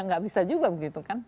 nggak bisa juga begitu kan